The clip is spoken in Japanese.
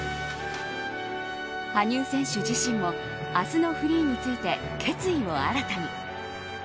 羽生選手自身も明日のフリーについて決意を新たに。